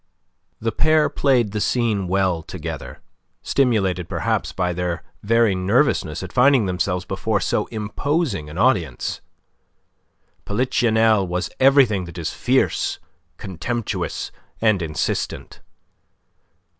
The pair played the scene well together, stimulated, perhaps, by their very nervousness at finding themselves before so imposing an audience. Polichinelle was everything that is fierce, contemptuous, and insistent.